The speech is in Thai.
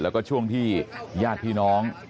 และช่วงที่ยาดพี่น้อง